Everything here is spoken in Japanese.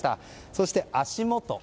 そして、足元。